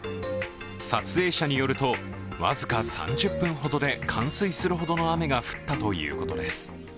撮影者によると、僅か３０分ほどで冠水するほどの雨が降ったということです。